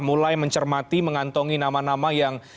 mulai mencermati mengantongi nama nama yang